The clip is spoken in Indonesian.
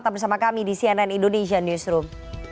tetap bersama kami di cnn indonesia newsroom